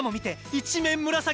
一面紫。